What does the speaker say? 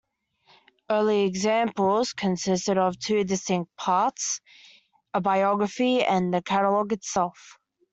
Early examples consisted of two distinct parts, a biography and the catalogue itself.